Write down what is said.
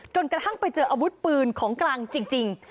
กระทั่งไปเจออาวุธปืนของกลางจริง